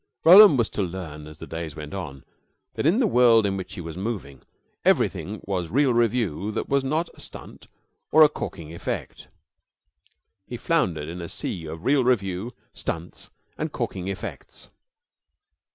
Roland was to learn, as the days went on, that in the world in which he was moving everything was real revue that was not a stunt or a corking effect. He floundered in a sea of real revue, stunts, and corking effects.